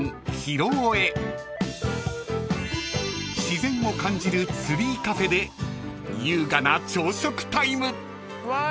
［自然を感じるツリーカフェで優雅な朝食タイム］